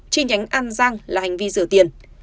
chi nhánh an giang là hành vi rửa tiền